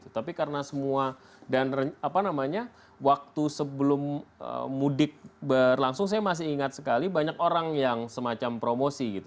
tapi karena semua dan apa namanya waktu sebelum mudik berlangsung saya masih ingat sekali banyak orang yang semacam promosi gitu